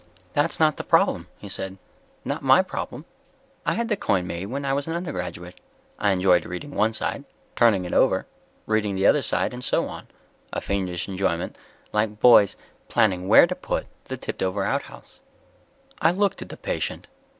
"That's not the problem," he said, "not my problem. I had the coin made when I was an undergraduate. I enjoyed reading one side, turning it over, reading the other side, and so on. A fiendish enjoyment like boys planning where to put the tipped over outhouse." I looked at the patient.